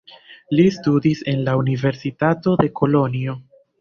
Li studis en la universitato de Kolonjo.